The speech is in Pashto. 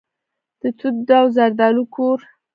د توت او زردالو کور.